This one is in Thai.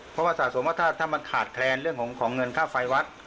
เพราะว่าสะสมว่าถ้ามันขาดแคลนเรื่องของเงินค่าไฟวัด